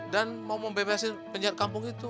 dan mau membebaskan penjahat kampung itu